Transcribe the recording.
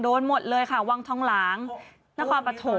โดนหมดเลยค่ะวังท้องหลางแล้วก็ปฐุม